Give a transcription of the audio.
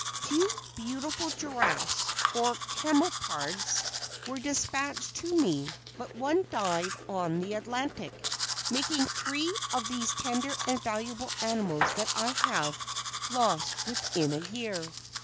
Two beautiful Giraffes, or Camelopards, were despatched to me, but one died on the Atlantic, making three of these tender and valuable animals that I have lost within a year.